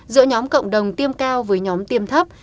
giữa nhóm cộng đồng tiêm cao với nhóm tiêm thấp